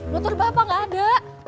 motor bapak nggak ada